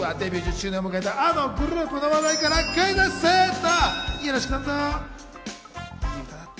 まずはデビュー１０周年を迎えたあのグループの話題からクイズッス！